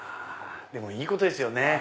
でもいいことですよね